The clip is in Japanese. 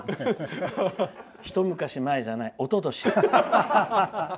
一昔前じゃないおととし。